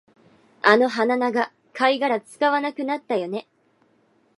あの鼻長、貝殻使わなくなったよね